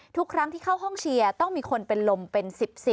ทุกครั้งที่เข้าห้องเชียร์ต้องมีคนเป็นลมเป็น๑๐